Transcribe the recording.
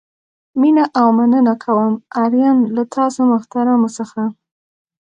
مینه او مننه کوم آرین له تاسو محترمو څخه.